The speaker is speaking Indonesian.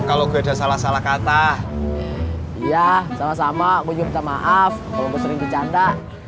kalau gue ada salah salah kata ya sama sama ujur samaaf kalau sering dicanda